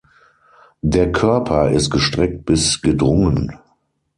Der Körper ist gestreckt bis gedrungen.